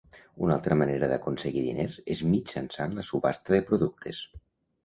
Una altra manera d'aconseguir diners és mitjançant la subhasta de productes.